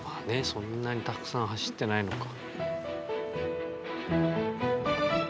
そんなにたくさん走ってないのか。